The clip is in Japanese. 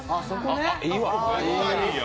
あ、いいわ。